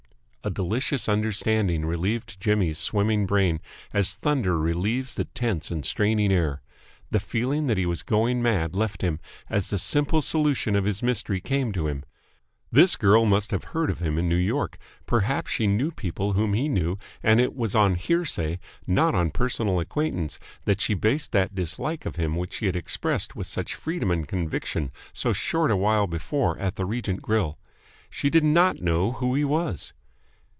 A delicious understanding relieved Jimmy's swimming brain, as thunder relieves the tense and straining air. The feeling that he was going mad left him, as the simple solution of his mystery came to him. This girl must have heard of him in New York perhaps she knew people whom he knew and it was on hearsay, not on personal acquaintance, that she based that dislike of him which she had expressed with such freedom and conviction so short a while before at the Regent Grill. She did not know who he was!